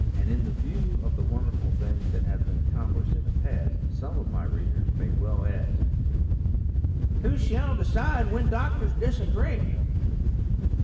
And in view of the wonderful things that have been accomplished in the past, some of my readers may well ask : "Who shall decide when doctors disagree